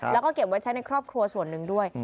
แล้วก็เก็บไว้ใช้ในครอบครัวส่วนหนึ่งด้วย